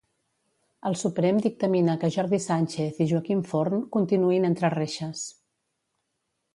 El Suprem dictamina que Jordi Sànchez i Joaquim Forn continuïn entre reixes.